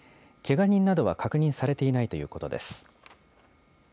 けが人などは確認されていないということです。